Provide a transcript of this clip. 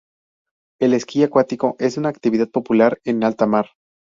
El Esquí acuático es una actividad popular en alta mar.